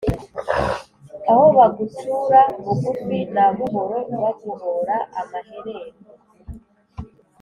Aho bagucura bufuni na buhoro, Baguhòòra amaherere.